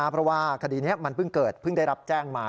เพราะว่าคดีนี้มันเพิ่งเกิดเพิ่งได้รับแจ้งมา